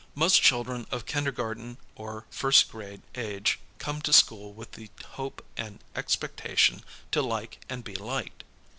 Most children of kindergarten or first grade age come to school with the hope and expectation to like and be liked.